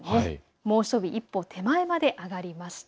猛暑日、一歩手前まで上がりました。